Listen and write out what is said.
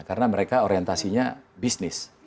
karena mereka orientasinya bisnis